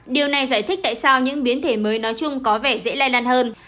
điều này giải thích tại sao những biến thể mới nói chung có vẻ dễ lây lan hơn